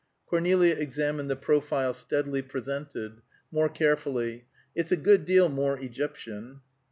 Cornelia examined the profile steadily presented, more carefully: "It's a good deal more Egyptian."